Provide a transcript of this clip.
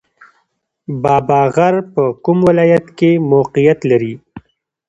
بابا غر په کوم ولایت کې موقعیت لري؟